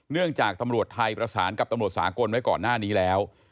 จากตำรวจไทยประสานกับตำรวจสากลไว้ก่อนหน้านี้แล้ว